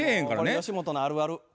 これ吉本のあるある。